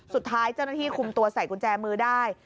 สุดท้ายเจ้าหน้าที่คุมตัวใส่กุญแจมือได้